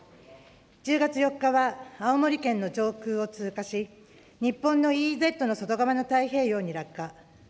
１０月４日は青森県の上空を通過し、日本のＥＥＺの外側の太平洋に落下。